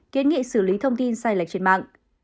kiến nghị xử lý thông tin sai lệch trên mạng